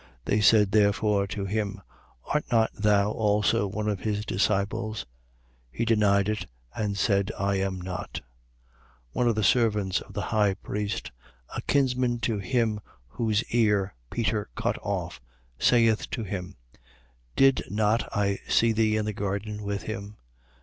They said therefore to him: Art not thou also one of his disciples? He denied it and said: I am not. 18:26. One of the servants of the high priest (a kinsman to him whose ear Peter cut off) saith to him: Did not I see thee in the garden with him?